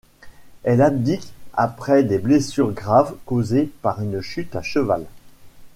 Elle abdique après des blessures graves causées par une chute à cheval.